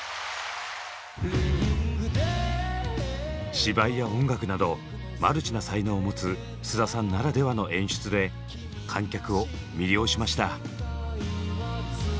芝居や音楽などマルチな才能を持つ菅田さんならではの演出で観客を魅了しました。